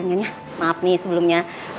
nyonya maaf nih sebelumnya